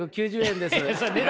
３，９９０円です。